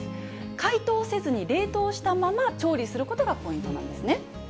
解凍せずに冷凍したまま調理することがポイントなんですね。